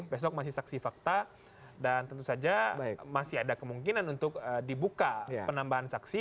besok masih saksi fakta dan tentu saja masih ada kemungkinan untuk dibuka penambahan saksi